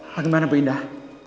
bagaimana bu indah